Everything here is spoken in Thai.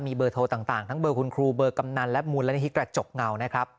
มีเบอร์โทรต่างทั้งเบอร์คุณครูเบอร์กำนันและมูลนิธิกระจกเงานะครับ